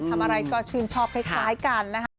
เขาก็จ้องจิ้นกันอยู่สองคนนะ